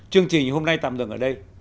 chương trình hôm nay tạm dừng ở đây